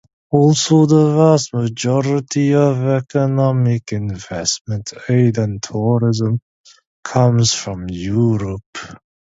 Also, the vast majority of economic investment, aid, and tourism comes from Europe.